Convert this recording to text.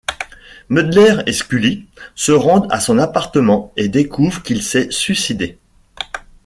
Mulder et Scully se rendent à son appartement et découvrent qu'il s'est suicidé.